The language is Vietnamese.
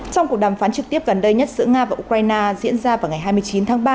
trong cuộc đàm phán trực tiếp gần đây nhất giữa nga và ukraine diễn ra vào ngày hai mươi chín tháng ba